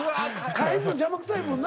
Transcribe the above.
替えるの邪魔くさいもんな。